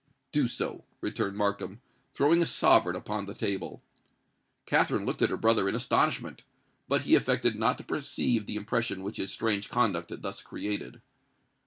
"Do so," returned Markham, throwing a sovereign upon the table. Katherine looked at her brother in astonishment; but he affected not to perceive the impression which his strange conduct had thus created.